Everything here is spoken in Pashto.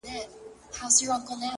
گرد د مخونو هم پاكيږي د باران په اوبو.!